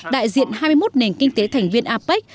đại diện hai mươi một nền kinh tế thành viên apec